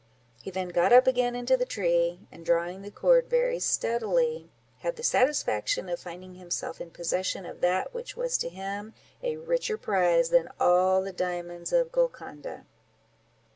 He then got up again into the tree, and drawing the cord very steadily, had the satisfaction of finding himself in possession of that which was to him a richer prize than all the diamonds of Golconda.